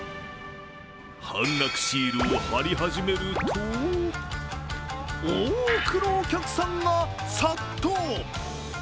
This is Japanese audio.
半額シールを貼り始めると多くのお客さんが殺到。